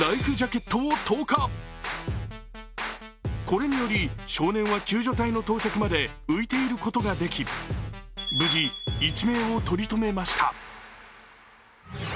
これにより少年は救助隊の到着まで浮いていることができ無事、一命を取り留めました。